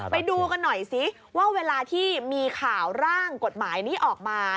ไปดูกันหน่อยสิว่าเวลาที่มีข่าวร่างกฎหมายนี้ออกมา